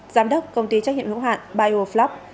giám đốc công ty trách nhiệm hữu hạn bioflop